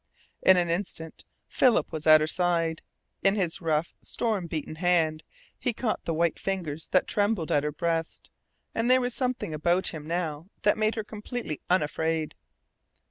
In an instant Philip was at her side. In his rough, storm beaten hand he caught the white fingers that trembled at her breast. And there was something about him now that made her completely unafraid.